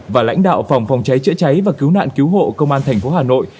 và lãnh đạo phòng phòng cháy chữa cháy và cứu nạn cứu hộ công an thành phố hà nội